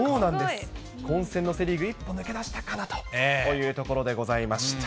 混戦のセ・リーグ、一歩抜け出したかなというところでございました。